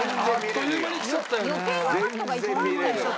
あっという間にきちゃったよね。